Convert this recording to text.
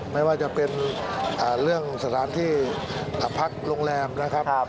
ไม่ว่าจะเป็นเรื่องสถานที่พักโรงแรมนะครับ